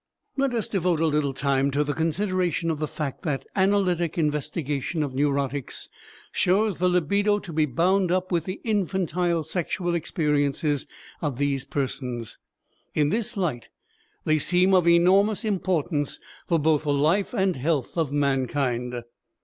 Let us devote a little time to the consideration of the fact that analytic investigation of neurotics shows the libido to be bound up with the infantile sexual experiences of these persons. In this light they seem of enormous importance for both the life and health of mankind.